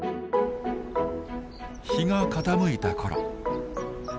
日が傾いた頃。